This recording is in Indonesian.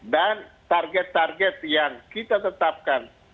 dan target target yang kita tetapkan